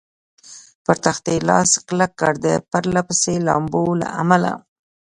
پر تختې لاس کلک کړ، د پرله پسې لامبو له امله.